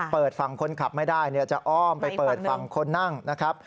ฝั่งคนขับไม่ได้จะอ้อมไปเปิดฝั่งคนนั่งนะครับ